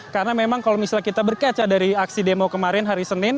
karena memang kalau misalnya kita berkecah dari aksi demo kemarin hari senin